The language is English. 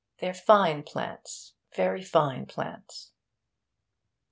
They're fine plants very fine plants.'